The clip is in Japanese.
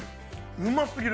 うますぎる。